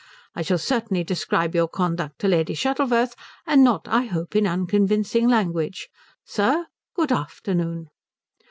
I shall certainly describe your conduct to Lady Shuttleworth, and not, I hope, in unconvincing language. Sir, good afternoon."